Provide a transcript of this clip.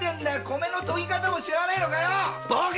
米のとぎ方も知らねぇのか。